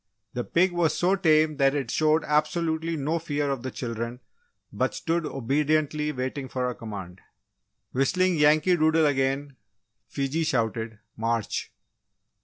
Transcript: The pig was so tame that it showed absolutely no fear of the children but stood obediently waiting for a command. Whistling Yankee Doodle again, Fiji shouted "March!"